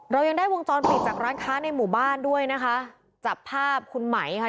เรายังได้วงจรปิดจากร้านค้าในหมู่บ้านด้วยนะคะจับภาพคุณไหมค่ะ